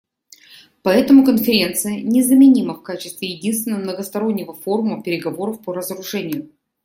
Поэтому Конференция незаменима в качестве единственного многостороннего форума переговоров по разоружению.